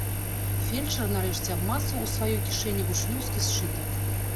Фельчар нарэшце абмацаў у сваёй кішэні вучнёўскі сшытак.